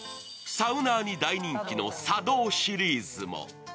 サウナーに大人気のサ道シリーズも。